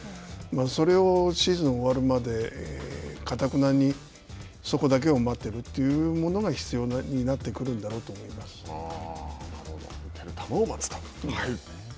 それをシーズン終わるまでかたくなにそこだけを待っているというものが必要になってくるんだろうと待つと。